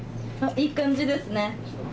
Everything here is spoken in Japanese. いい感じですね。